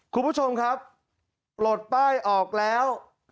คุณผู้ชมครับปลดป้ายออกแล้ว